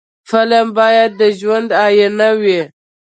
فلم باید د ژوند آیینه وي